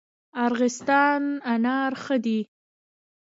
ارغستان انار ښه دي؟